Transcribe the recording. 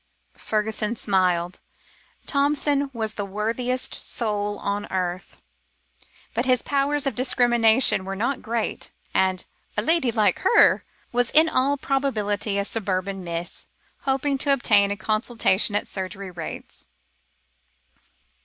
Fergusson smiled. Thompson was the worthiest soul on earth, but his powers of discrimination were not great, and a "lady like her" was in all probability a suburban "Miss," hoping to obtain a consultation at surgery rates.